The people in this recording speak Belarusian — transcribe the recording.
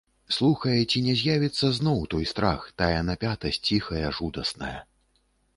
Слухае, ці не з'явіцца зноў той страх, тая напятасць ціхая, жудасная.